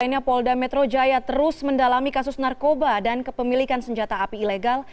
lainnya polda metro jaya terus mendalami kasus narkoba dan kepemilikan senjata api ilegal